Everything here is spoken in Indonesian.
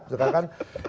nah sekarang justru kan